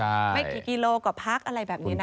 ไม่กี่กิโลกว่าพักอะไรแบบนี้นะ